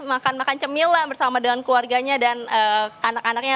makan makan cemil lah bersama dengan keluarganya dan anak anaknya